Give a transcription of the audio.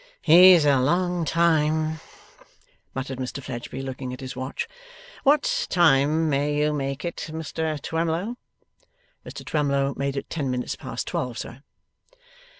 'He's a long time,' muttered Mr Fledgeby, looking at his watch. 'What time may you make it, Mr Twemlow?' Mr Twemlow made it ten minutes past twelve, sir.